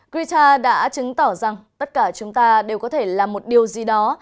grital đã chứng tỏ rằng tất cả chúng ta đều có thể làm một điều gì đó